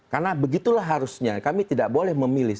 karena begitulah harusnya kami tidak boleh memilih